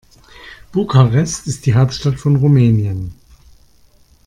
Bukarest ist die Hauptstadt von Rumänien.